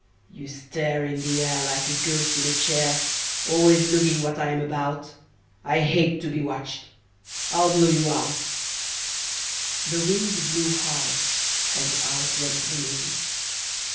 You stare In the air Like a ghost in a chair, Always looking what I am about; I hate to be watched I'll blow you out." The Wind blew hard, and out went the Moon.